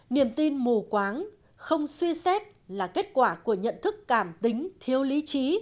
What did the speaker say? niềm tin mù quáng không suy xét là kết quả của nhận thức cảm tính thiếu lý trí